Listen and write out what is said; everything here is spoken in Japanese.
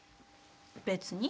別に。